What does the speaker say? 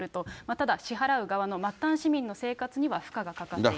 ただ、支払う側の末端市民の生活には負荷がかかっていると。